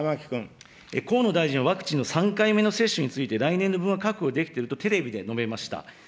河野大臣はワクチンの３回目の接種について、来年度分は確保できていると、テレビで述べました。